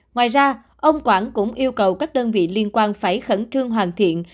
ngoài ra ông quảng cũng yêu cầu các đơn vị liên quan phải khẩn trương hoàn thiện